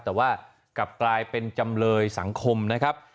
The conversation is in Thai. แต่ว่ากลับกลายเป็นจำเลยสังคมนะครับ